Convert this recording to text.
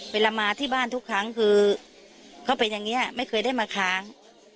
เวลามาที่บ้านทุกครั้งคือเขาเป็นอย่างนี้ไม่เคยได้มาค้าง